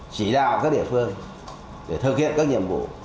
chỉ đạo các địa phương để thực hiện các nhiệm vụ